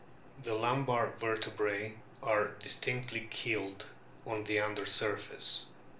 The lumbar vertebras are distinctly keeled on the under surface.